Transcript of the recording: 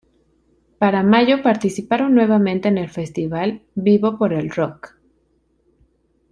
Para mayo participaron nuevamente en el Festival 'Vivo por el Rock'.